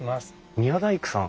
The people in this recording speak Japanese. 宮大工さん。